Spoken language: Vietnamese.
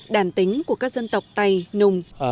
đàn tính của các dân tộc tây nung